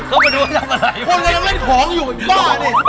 คนก็จะเล่นของอยู่บ้าอันเนี่ย